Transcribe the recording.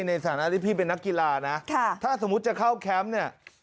ในฐานะที่พี่เป็นนักกีฬานะถ้าสมมุติจะเข้าแคมป์เนี่ย